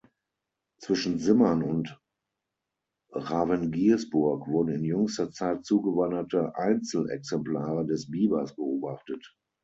Zwischen Simmern und Ravengiersburg wurden in jüngster Zeit zugewanderte Einzelexemplare des Bibers beobachtet.